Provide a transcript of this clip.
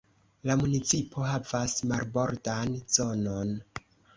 La municipo havas marbordan zonon.